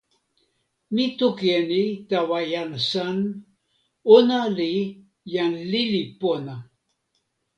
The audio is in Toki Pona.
mi toki e ni tawa jan San: ona li jan lili pona.